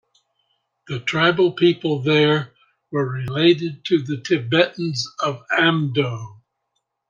The tribal peoples there were related to the Tibetans of Amdo.